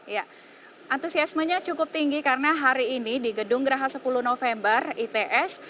ya antusiasmenya cukup tinggi karena hari ini di gedung geraha sepuluh november its